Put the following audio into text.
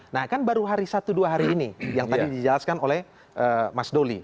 nah kan baru hari satu dua hari ini yang tadi dijelaskan oleh mas doli